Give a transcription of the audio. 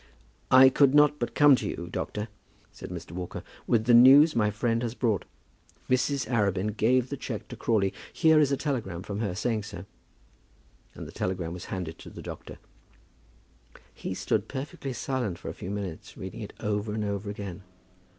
"I could not but come to you, doctor," said Mr. Walker, "with the news my friend has brought. Mrs. Arabin gave the cheque to Crawley. Here is a telegram from her saying so." And the telegram was handed to the doctor. He stood perfectly silent for a few minutes, reading it over and over again.